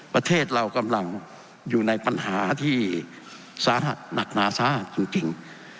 ประเทศเรากำลังอยู่ในปัญหาที่สาหัสหนักหนาสาหัสจริง